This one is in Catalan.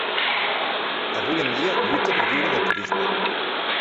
Avui en dia lluita per viure del turisme.